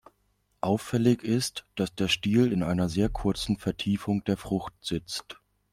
Auffällig ist, dass der Stiel in einer sehr kurzen Vertiefung der Frucht sitzt.